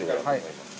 はい。